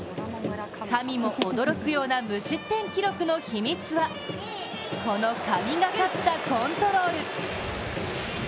神も驚くような無失点記録の秘密はこの神がかったコントロール。